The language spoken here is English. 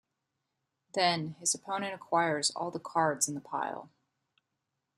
Then, his opponent acquires all of the cards in the pile.